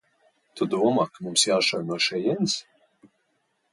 Tu domā, ka mums jāšauj no šejienes?